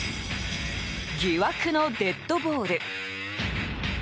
魅惑のデッドボール。